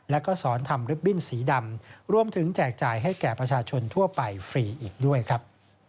แล้วก็สอนทำลิบบิ้นสีดำรวมถึงแจกจ่ายให้แก่ประชาชนทั่วไปฟรีอีกด้วยครับ